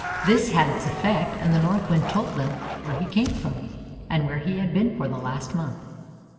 " This had its effect, and the Northwind told them where he came from, and where he had been for the last month.